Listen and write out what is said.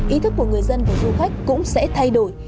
ý thức của người dân và du khách cũng sẽ thay đổi